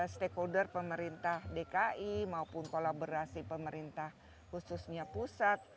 stakeholder pemerintah dki maupun kolaborasi pemerintah khususnya pusat